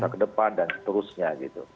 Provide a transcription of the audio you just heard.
bikin tentang bangsa ke depan dan seterusnya gitu